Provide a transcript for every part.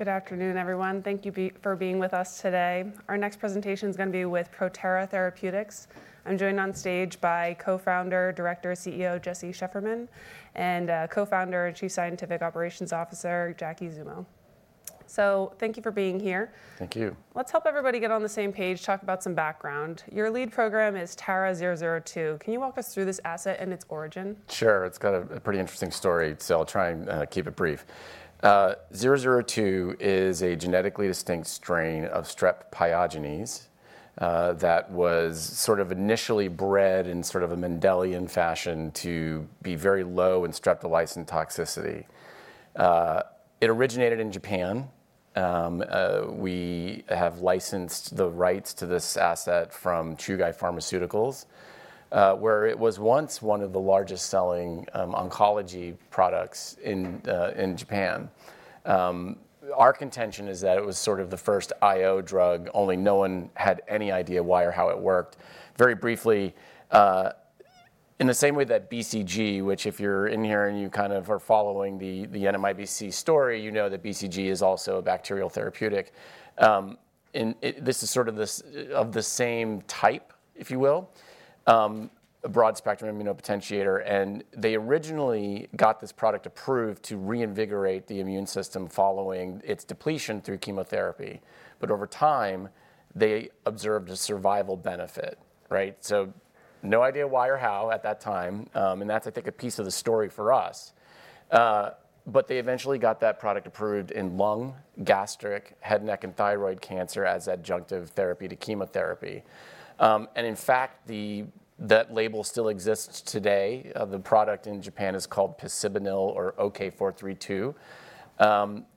Good afternoon, everyone. Thank you for being with us today. Our next presentation is going to be with Protara Therapeutics. I'm joined on stage by Co-founder, Director, and CEO Jesse Shefferman, and Co-founder and Chief Scientific Operations Officer Jackie Zummo. So thank you for being here. Thank you. Let's help everybody get on the same page, talk about some background. Your lead program is TARA-002. Can you walk us through this asset and its origin? Sure. It's got a pretty interesting story, so I'll try and keep it brief. TARA-002 is a genetically distinct strain of Strep pyogenes that was sort of initially bred in sort of a Mendelian fashion to be very low in streptolysin toxicity. It originated in Japan. We have licensed the rights to this asset from Chugai Pharmaceutical, where it was once one of the largest selling oncology products in Japan. Our contention is that it was sort of the first IO drug, only no one had any idea why or how it worked. Very briefly, in the same way that BCG, which if you're in here and you kind of are following the NMIBC story, you know that BCG is also a bacterial therapeutic. This is sort of of the same type, if you will, a broad-spectrum immunopotentiator. They originally got this product approved to reinvigorate the immune system following its depletion through chemotherapy. But over time, they observed a survival benefit, right? So no idea why or how at that time. And that's, I think, a piece of the story for us. But they eventually got that product approved in lung, gastric, head, neck, and thyroid cancer as adjunctive therapy to chemotherapy. And in fact, that label still exists today. The product in Japan is called Picibanil or OK-432.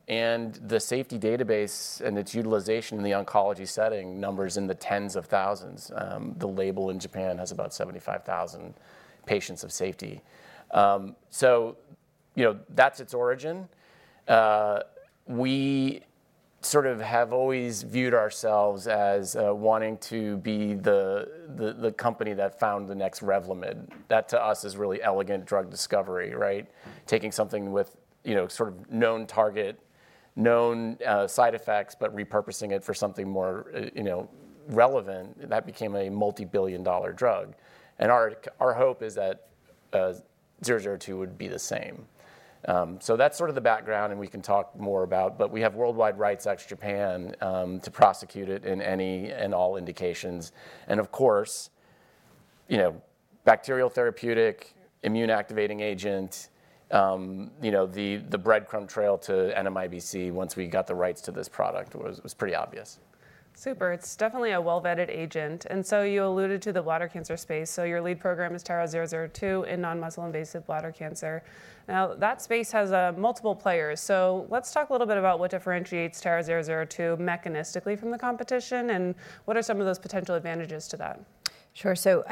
And the safety database and its utilization in the oncology setting numbers in the tens of thousands. The label in Japan has about 75,000 patients of safety. So that's its origin. We sort of have always viewed ourselves as wanting to be the company that found the next Revlimid. That, to us, is really elegant drug discovery, right? Taking something with sort of known target, known side effects, but repurposing it for something more relevant, that became a multi-billion-dollar drug. Our hope is that 002 would be the same. So that's sort of the background, and we can talk more about. But we have worldwide rights ex Japan to pursue it in any and all indications. Of course, bacterial therapeutic, immune-activating agent, the breadcrumb trail to NMIBC once we got the rights to this product was pretty obvious. Super. It's definitely a well-vetted agent. And so you alluded to the bladder cancer space. So your lead program is TARA-002 in non-muscle invasive bladder cancer. Now, that space has multiple players. So let's talk a little bit about what differentiates TARA-002 mechanistically from the competition and what are some of those potential advantages to that. Sure. So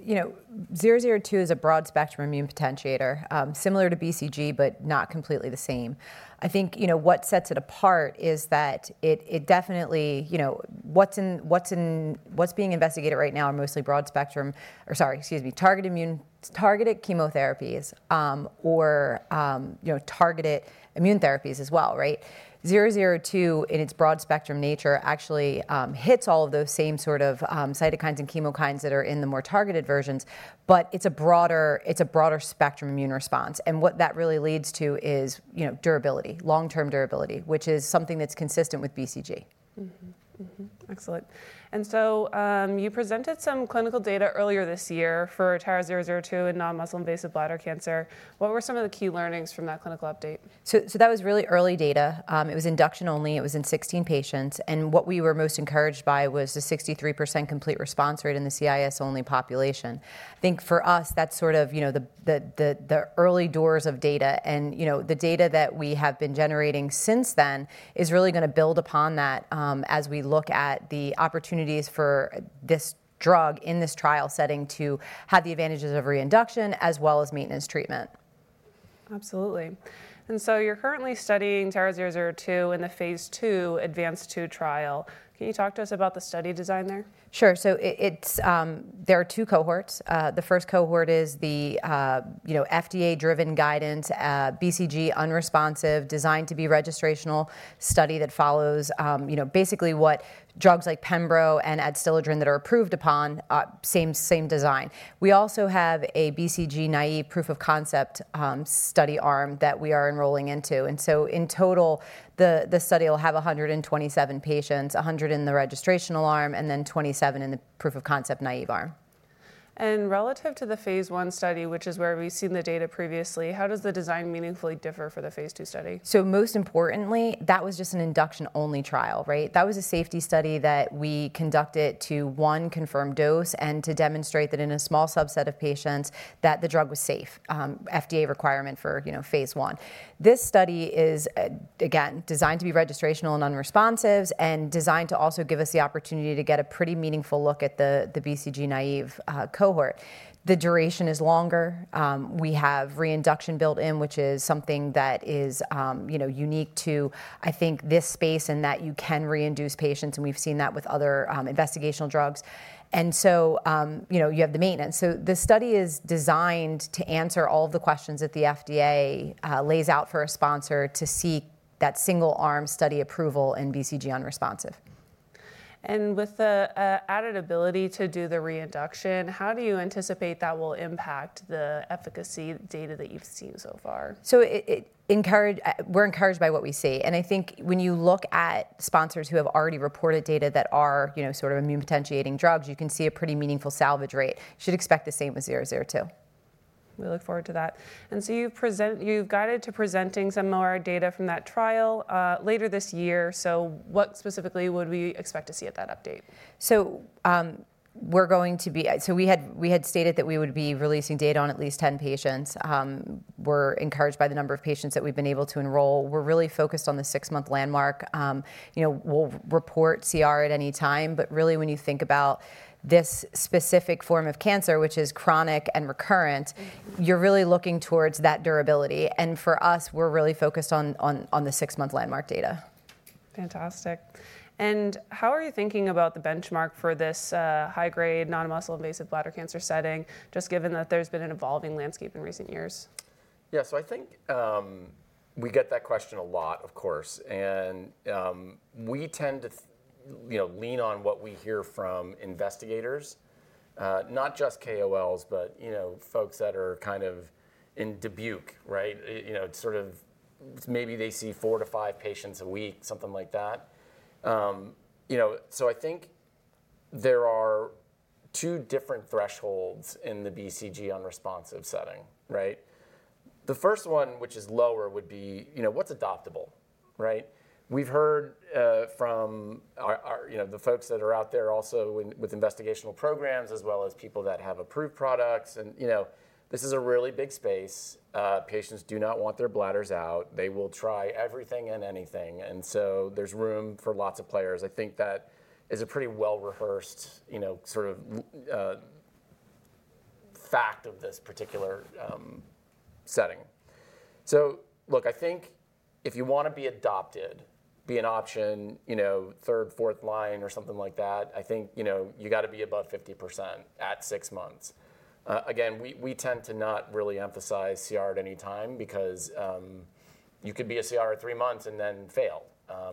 002 is a broad-spectrum immune potentiator, similar to BCG, but not completely the same. I think what sets it apart is that it definitely what's being investigated right now are mostly broad-spectrum or targeted chemotherapies or targeted immune therapies as well, right? 002, in its broad-spectrum nature, actually hits all of those same sort of cytokines and chemokines that are in the more targeted versions. But it's a broader spectrum immune response. And what that really leads to is durability, long-term durability, which is something that's consistent with BCG. Excellent. And so you presented some clinical data earlier this year for TARA-002 in non-muscle invasive bladder cancer. What were some of the key learnings from that clinical update? That was really early data. It was induction only. It was in 16 patients. What we were most encouraged by was the 63% complete response rate in the CIS-only population. I think for us, that's sort of the early dose of data. The data that we have been generating since then is really going to build upon that as we look at the opportunities for this drug in this trial setting to have the advantages of reinduction as well as maintenance treatment. Absolutely. And so you're currently studying TARA-002 in the phase II ADVANCED-2 trial. Can you talk to us about the study design there? Sure. So there are two cohorts. The first cohort is the FDA-driven guidance, BCG unresponsive, designed to be registrational study that follows basically what drugs like pembro and Adstiladrin that are approved upon same design. We also have a BCG naive proof of concept study arm that we are enrolling into. And so in total, the study will have 127 patients, 100 in the registrational arm, and then 27 in the proof of concept naive arm. Relative to the phase I study, which is where we've seen the data previously, how does the design meaningfully differ for the phase II study? So most importantly, that was just an induction-only trial, right? That was a safety study that we conducted to one confirmed dose and to demonstrate that in a small subset of patients that the drug was safe, FDA requirement for phase I. This study is, again, designed to be registrational in BCG-unresponsive and designed to also give us the opportunity to get a pretty meaningful look at the BCG-naive cohort. The duration is longer. We have reinduction built in, which is something that is unique to, I think, this space in that you can reinduce patients. And we've seen that with other investigational drugs. And so you have the maintenance. So the study is designed to answer all of the questions that the FDA lays out for a sponsor to seek that single-arm study approval in BCG-unresponsive. With the added ability to do the reinduction, how do you anticipate that will impact the efficacy data that you've seen so far? So we're encouraged by what we see. And I think when you look at sponsors who have already reported data that are sort of immune potentiating drugs, you can see a pretty meaningful salvage rate. You should expect the same with 002. We look forward to that. And so you've guided to presenting some more data from that trial later this year. So what specifically would we expect to see at that update? We had stated that we would be releasing data on at least 10 patients. We're encouraged by the number of patients that we've been able to enroll. We're really focused on the six-month landmark. We'll report CR at any time. But really, when you think about this specific form of cancer, which is chronic and recurrent, you're really looking towards that durability. For us, we're really focused on the six-month landmark data. Fantastic. And how are you thinking about the benchmark for this high-grade non-muscle invasive bladder cancer setting, just given that there's been an evolving landscape in recent years? Yeah. So I think we get that question a lot, of course. And we tend to lean on what we hear from investigators, not just KOLs, but folks that are kind of in Dubuque, right? Sort of maybe they see four to five patients a week, something like that. So I think there are two different thresholds in the BCG unresponsive setting, right? The first one, which is lower, would be what's adoptable, right? We've heard from the folks that are out there also with investigational programs as well as people that have approved products. And this is a really big space. Patients do not want their bladders out. They will try everything and anything. And so there's room for lots of players. I think that is a pretty well-rehearsed sort of fact of this particular setting. So look, I think if you want to be adopted, be an option, third, fourth line, or something like that, I think you've got to be above 50% at six months. Again, we tend to not really emphasize CR at any time because you could be a CR at three months and then fail.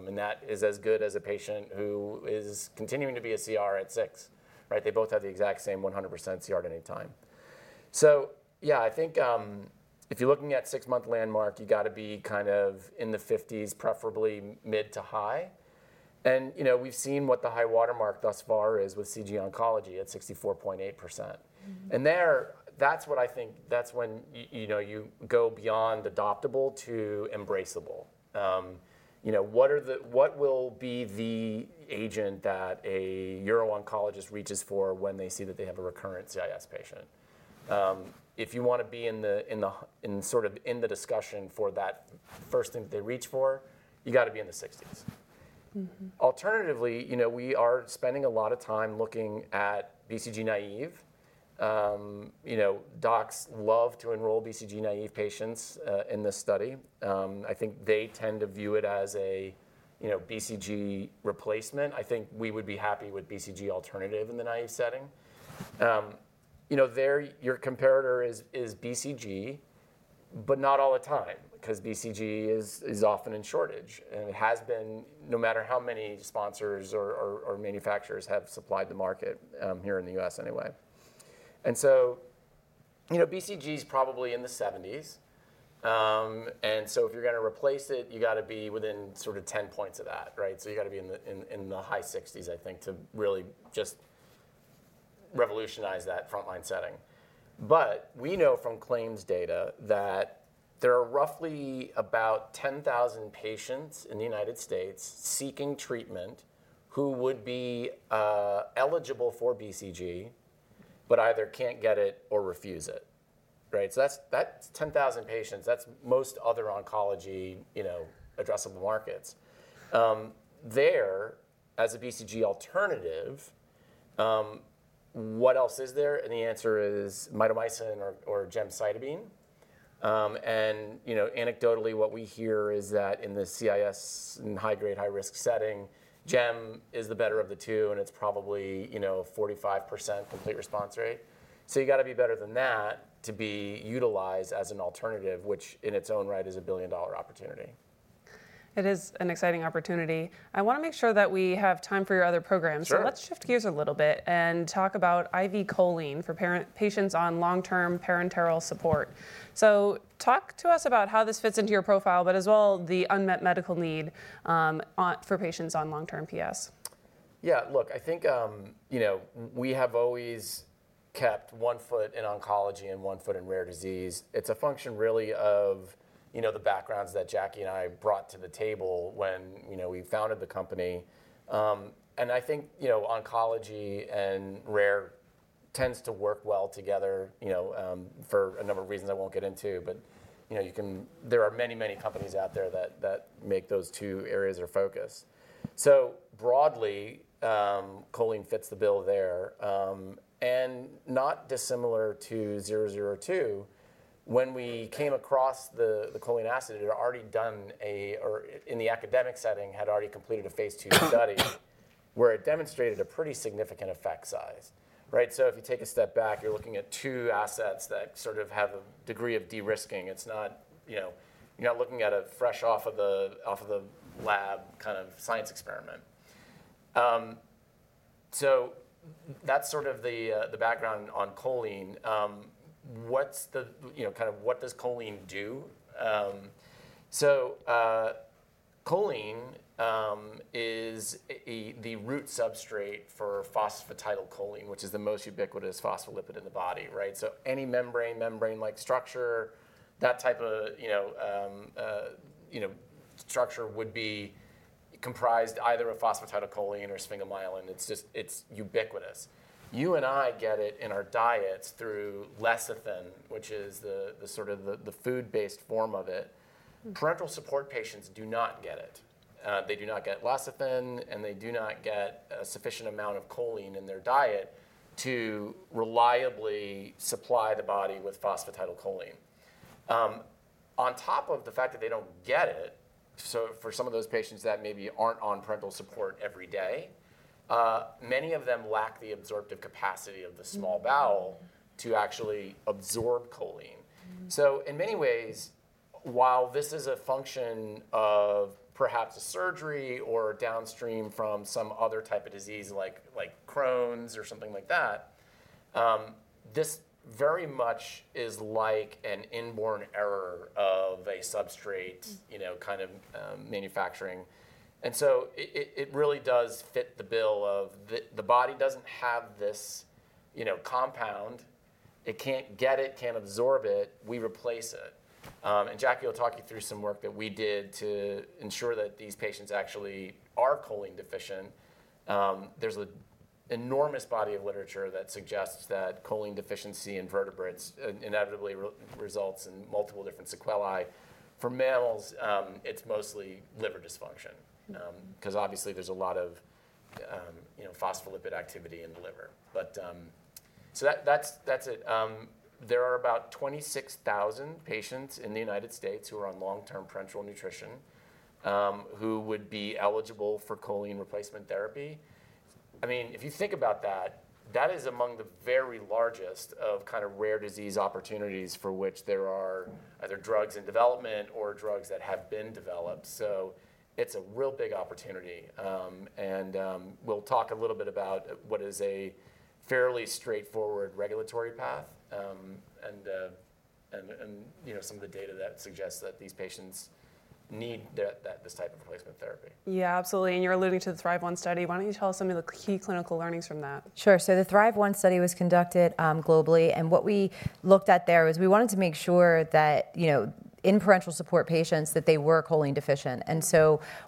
And that is as good as a patient who is continuing to be a CR at six, right? They both have the exact same 100% CR at any time. So yeah, I think if you're looking at six-month landmark, you've got to be kind of in the 50s, preferably mid to high. And we've seen what the high watermark thus far is with CG Oncology at 64.8%. And there, that's what I think that's when you go beyond adoptable to embraceable. What will be the agent that a uro-oncologist reaches for when they see that they have a recurrent CIS patient? If you want to be sort of in the discussion for that first thing that they reach for, you've got to be in the 60s. Alternatively, we are spending a lot of time looking at BCG-naive. Docs love to enroll BCG-naive patients in this study. I think they tend to view it as a BCG replacement. I think we would be happy with BCG alternative in the naive setting. There, your comparator is BCG, but not all the time because BCG is often in shortage, and it has been no matter how many sponsors or manufacturers have supplied the market here in the U.S. anyway, and so BCG is probably in the 70s. And so if you're going to replace it, you've got to be within sort of 10 points of that, right? So you've got to be in the high 60s, I think, to really just revolutionize that frontline setting. But we know from claims data that there are roughly about 10,000 patients in the United States seeking treatment who would be eligible for BCG but either can't get it or refuse it, right? So that's 10,000 patients. That's most other oncology addressable markets. There, as a BCG alternative, what else is there? And the answer is mitomycin or gemcitabine. And anecdotally, what we hear is that in the CIS high-grade, high-risk setting, gem is the better of the two. And it's probably 45% complete response rate. So you've got to be better than that to be utilized as an alternative, which in its own right is a billion-dollar opportunity. It is an exciting opportunity. I want to make sure that we have time for your other programs. Sure. So let's shift gears a little bit and talk about IV Choline for patients on long-term parenteral support. So talk to us about how this fits into your profile, but as well the unmet medical need for patients on long-term PS. Yeah. Look, I think we have always kept one foot in oncology and one foot in rare disease. It's a function, really, of the backgrounds that Jackie and I brought to the table when we founded the company. And I think oncology and rare tends to work well together for a number of reasons I won't get into. But there are many, many companies out there that make those two areas their focus. So broadly, choline fits the bill there. And not dissimilar to 002, when we came across the choline asset, it had already done, or in the academic setting, had already completed a phase II study where it demonstrated a pretty significant effect size, right? So if you take a step back, you're looking at two assets that sort of have a degree of de-risking. You're not looking at a fresh off of the lab kind of science experiment. So that's sort of the background on choline. Kind of what does choline do? So choline is the root substrate for phosphatidylcholine, which is the most ubiquitous phospholipid in the body, right? So any membrane, membrane-like structure, that type of structure would be comprised either of phosphatidylcholine or sphingomyelin. It's ubiquitous. You and I get it in our diets through lecithin, which is sort of the food-based form of it. Parenteral support patients do not get it. They do not get lecithin. And they do not get a sufficient amount of choline in their diet to reliably supply the body with phosphatidylcholine. On top of the fact that they don't get it, so for some of those patients that maybe aren't on parenteral support every day, many of them lack the absorptive capacity of the small bowel to actually absorb choline. So in many ways, while this is a function of perhaps a surgery or downstream from some other type of disease like Crohn's or something like that, this very much is like an inborn error of a substrate kind of manufacturing. And so it really does fit the bill of the body doesn't have this compound. It can't get it, can't absorb it. We replace it. And Jackie will talk you through some work that we did to ensure that these patients actually are choline deficient. There's an enormous body of literature that suggests that choline deficiency in vertebrates inevitably results in multiple different sequelae. For males, it's mostly liver dysfunction because obviously, there's a lot of phospholipid activity in the liver. So that's it. There are about 26,000 patients in the United States who are on long-term parenteral nutrition who would be eligible for choline replacement therapy. I mean, if you think about that, that is among the very largest of kind of rare disease opportunities for which there are either drugs in development or drugs that have been developed. So it's a real big opportunity. And we'll talk a little bit about what is a fairly straightforward regulatory path and some of the data that suggests that these patients need this type of replacement therapy. Yeah, absolutely. And you're alluding to the THRIVE-1 study. Why don't you tell us some of the key clinical learnings from that? Sure. The THRIVE-1 study was conducted globally. What we looked at there was we wanted to make sure that in parenteral support patients, they were choline deficient.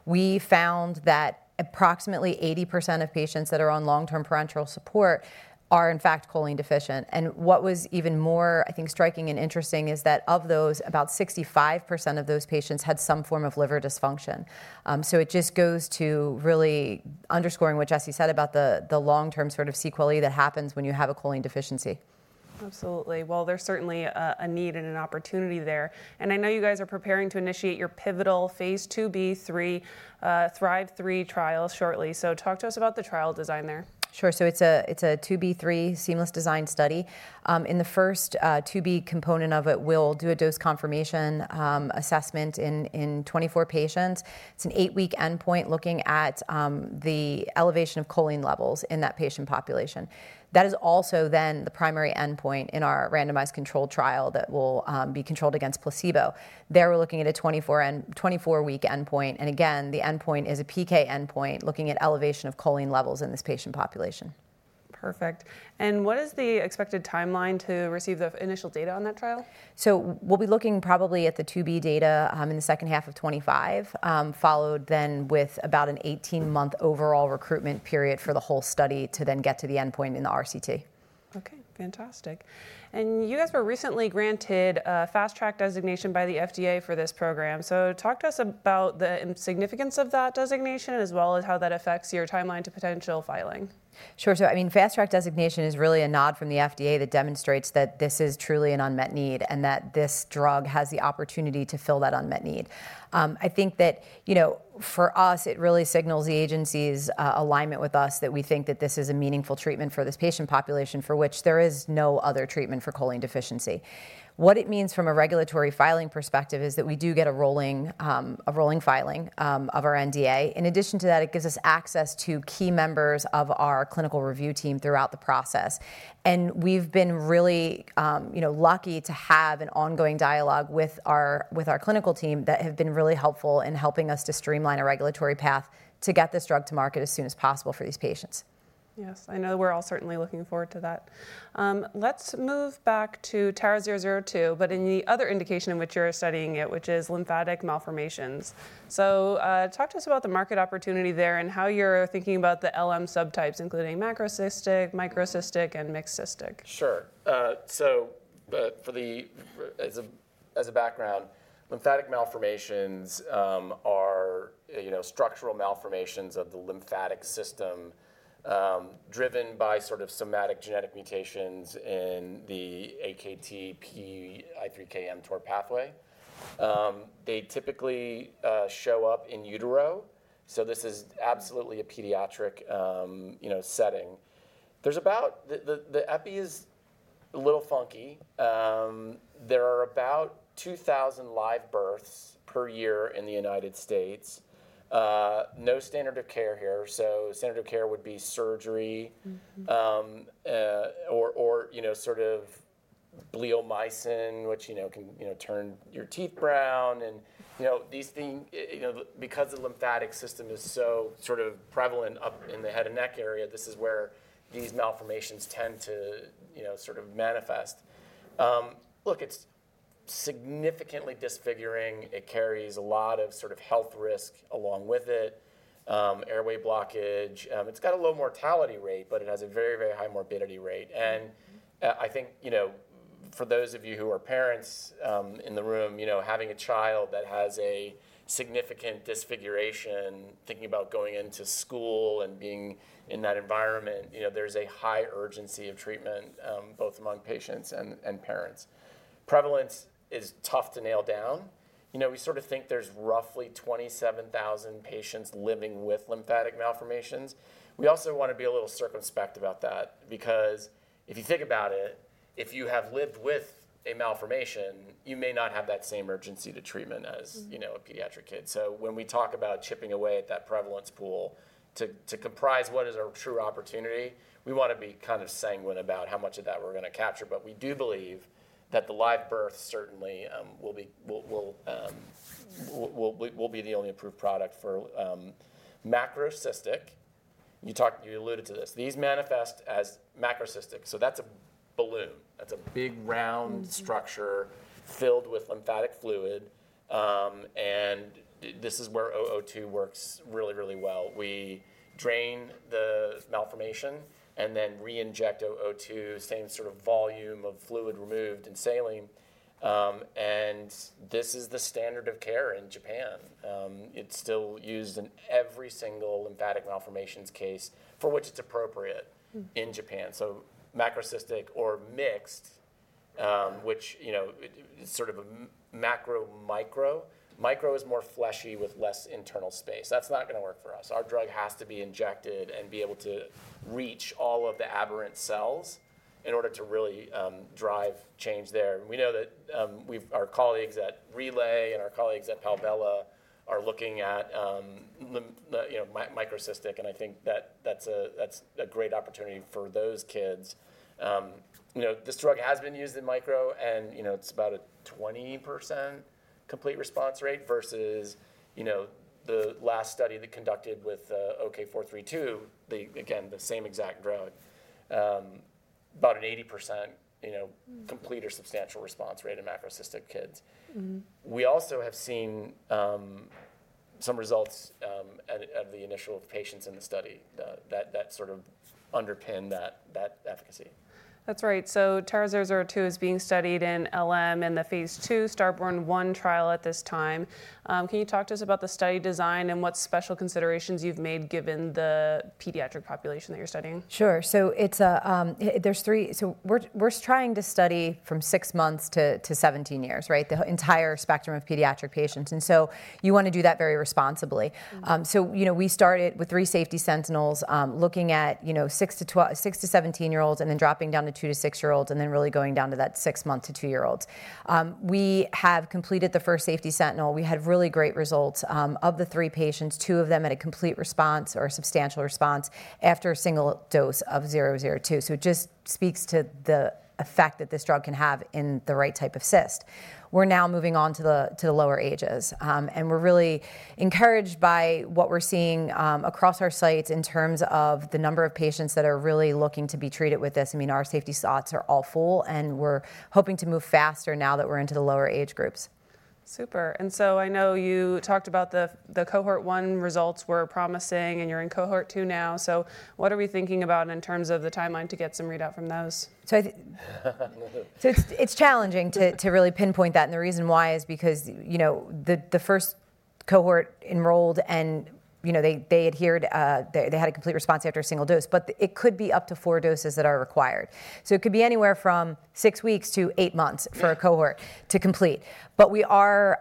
We found that approximately 80% of patients that are on long-term parenteral support are, in fact, choline deficient. What was even more, I think, striking and interesting is that of those, about 65% of those patients had some form of liver dysfunction. It just goes to really underscoring what Jesse said about the long-term sort of sequelae that happens when you have a choline deficiency. Absolutely. Well, there's certainly a need and an opportunity there. And I know you guys are preparing to initiate your pivotal phase II-B/III THRIVE-3 trials shortly. So talk to us about the trial design there. Sure. So it's a II-B/III seamless design study. In the first II-B component of it, we'll do a dose confirmation assessment in 24 patients. It's an eight-week endpoint looking at the elevation of choline levels in that patient population. That is also then the primary endpoint in our randomized controlled trial that will be controlled against placebo. There, we're looking at a 24-week endpoint. And again, the endpoint is a PK endpoint looking at elevation of choline levels in this patient population. Perfect. And what is the expected timeline to receive the initial data on that trial? We'll be looking probably at the II-B data in the second half of 2025, followed then with about an 18-month overall recruitment period for the whole study to then get to the endpoint in the RCT. OK, fantastic. And you guys were recently granted a Fast Track designation by the FDA for this program. So talk to us about the significance of that designation as well as how that affects your timeline to potential filing? Sure. So I mean, fast-track designation is really a nod from the FDA that demonstrates that this is truly an unmet need and that this drug has the opportunity to fill that unmet need. I think that for us, it really signals the agency's alignment with us that we think that this is a meaningful treatment for this patient population for which there is no other treatment for choline deficiency. What it means from a regulatory filing perspective is that we do get a rolling filing of our NDA. In addition to that, it gives us access to key members of our clinical review team throughout the process. And we've been really lucky to have an ongoing dialogue with our clinical team that have been really helpful in helping us to streamline a regulatory path to get this drug to market as soon as possible for these patients. Yes. I know we're all certainly looking forward to that. Let's move back to TARA-002, but in the other indication in which you're studying it, which is lymphatic malformations. So talk to us about the market opportunity there and how you're thinking about the LM subtypes, including macrocystic, microcystic, and mixed cystic. Sure. As a background, lymphatic malformations are structural malformations of the lymphatic system driven by sort of somatic genetic mutations in the AKT, PI3K, and mTOR pathway. They typically show up in utero. This is absolutely a pediatric setting. The epi is a little funky. There are about 2,000 live births per year in the United States. No standard of care here. Standard of care would be surgery or sort of bleomycin, which can turn your teeth brown. Because the lymphatic system is so sort of prevalent up in the head and neck area, this is where these malformations tend to sort of manifest. Look, it's significantly disfiguring. It carries a lot of sort of health risk along with it, airway blockage. It's got a low mortality rate, but it has a very, very high morbidity rate. I think for those of you who are parents in the room, having a child that has a significant disfigurement, thinking about going into school and being in that environment, there's a high urgency of treatment both among patients and parents. Prevalence is tough to nail down. We sort of think there's roughly 27,000 patients living with lymphatic malformations. We also want to be a little circumspect about that because if you think about it, if you have lived with a malformation, you may not have that same urgency to treatment as a pediatric kid. So when we talk about chipping away at that prevalence pool to comprise what is our true opportunity, we want to be kind of sanguine about how much of that we're going to capture. But we do believe that TARA-002 certainly will be the only approved product for macrocystic. You alluded to this. These manifest as macrocystic. So that's a balloon. That's a big, round structure filled with lymphatic fluid. And this is where TARA-002 works really, really well. We drain the malformation and then re-inject TARA-002, same sort of volume of fluid removed and saline. And this is the standard of care in Japan. It's still used in every single lymphatic malformations case for which it's appropriate in Japan. So macrocystic or mixed, which is sort of macro, micro. Micro is more fleshy with less internal space. That's not going to work for us. Our drug has to be injected and be able to reach all of the aberrant cells in order to really drive change there. We know that our colleagues at Relay and our colleagues at Palvella are looking at microcystic. And I think that that's a great opportunity for those kids. This drug has been used in microcystic, and it's about a 20% complete response rate versus the last study that conducted with OK-432, again, the same exact drug, about an 80% complete or substantial response rate in macrocystic kids. We also have seen some results of the initial patients in the study that sort of underpin that efficacy. That's right. So TARA-002 is being studied in LM in the phase II STARBORN-1 trial at this time. Can you talk to us about the study design and what special considerations you've made given the pediatric population that you're studying? Sure. So there's three. So we're trying to study from six months to 17 years, right, the entire spectrum of pediatric patients. And so you want to do that very responsibly. So we started with three safety sentinels looking at six to 17-year-olds and then dropping down to two to six-year-olds and then really going down to that six-month to two-year-olds. We have completed the first safety sentinel. We had really great results of the three patients, two of them at a complete response or substantial response after a single dose of 002. So it just speaks to the effect that this drug can have in the right type of cyst. We're now moving on to the lower ages. And we're really encouraged by what we're seeing across our sites in terms of the number of patients that are really looking to be treated with this. I mean, our safety slots are all full, and we're hoping to move faster now that we're into the lower age groups. Super. And so I know you talked about the cohort one results were promising. And you're in cohort two now. So what are we thinking about in terms of the timeline to get some readout from those? It's challenging to really pinpoint that. The reason why is because the first cohort enrolled and they had a complete response after a single dose. It could be up to four doses that are required. It could be anywhere from six weeks to eight months for a cohort to complete. We are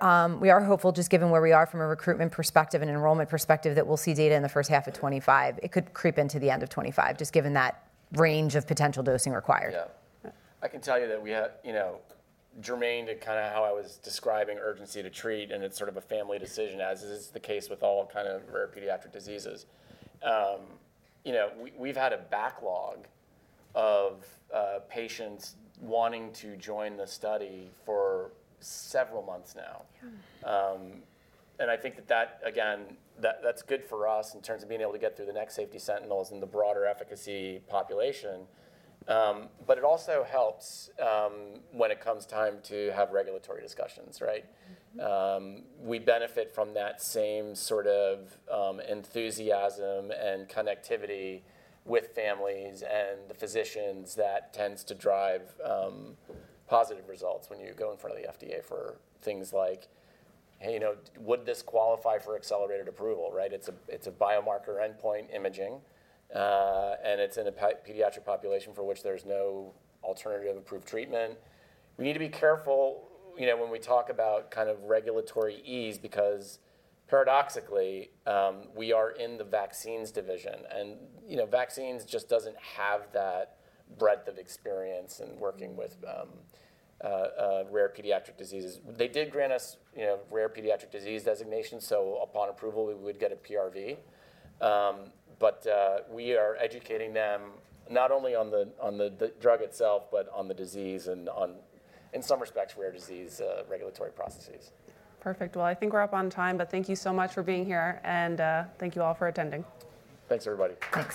hopeful, just given where we are from a recruitment perspective and enrollment perspective, that we'll see data in the first half of 2025. It could creep into the end of 2025, just given that range of potential dosing required. Yeah. I can tell you that we have germane to kind of how I was describing urgency to treat. And it's sort of a family decision, as is the case with all kind of rare pediatric diseases. We've had a backlog of patients wanting to join the study for several months now. And I think that, again, that's good for us in terms of being able to get through the next safety sentinels and the broader efficacy population. But it also helps when it comes time to have regulatory discussions, right? We benefit from that same sort of enthusiasm and connectivity with families and the physicians that tends to drive positive results when you go in front of the FDA for things like, hey, would this qualify for accelerated approval, right? It's a biomarker endpoint imaging. And it's in a pediatric population for which there's no alternative approved treatment. We need to be careful when we talk about kind of regulatory ease because paradoxically, we are in the vaccines division, and vaccines just doesn't have that breadth of experience in working with rare pediatric diseases. They did grant us rare pediatric disease designation, so upon approval, we would get a PRV. But we are educating them not only on the drug itself but on the disease and, in some respects, rare disease regulatory processes. Perfect. Well, I think we're up on time. But thank you so much for being here. And thank you all for attending. Thanks, everybody. Great.